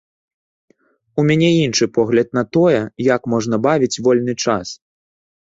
У мяне іншы погляд на тое, як можна бавіць вольны час.